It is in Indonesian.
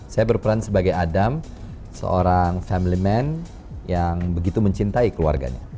saya berperan sebagai adam seorang family man yang begitu mencintai keluarganya